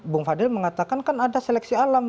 bung fadil mengatakan kan ada seleksi alam